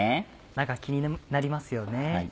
中気になりますよね。